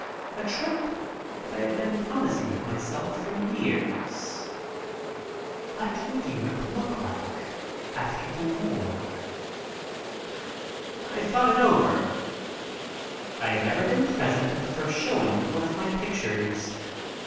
A trip that I had been promising myself for years. I DECIDE TO PLAY HOOKEY 3 What would Europe look like after the war? I thought it over. I had never been present at the first showing of one of my pictures.